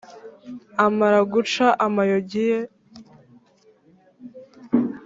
amara guca amayogi ye ,